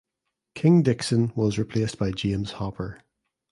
King Dickson was replaced by James Hopper.